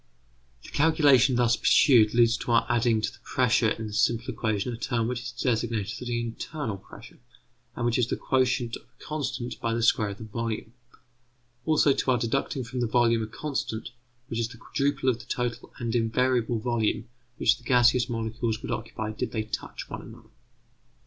The calculation thus pursued leads to our adding to the pressure in the simple equation a term which is designated the internal pressure, and which is the quotient of a constant by the square of the volume; also to our deducting from the volume a constant which is the quadruple of the total and invariable volume which the gaseous molecules would occupy did they touch one another.